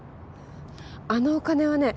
あのお金はね